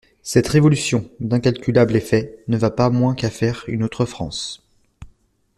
Cette révolution, d'incalculable effet, ne va pas moins qu'à faire une autre France.